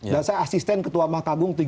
dan saya asisten ketua mahkamah agung